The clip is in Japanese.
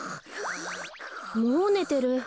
もうねてる。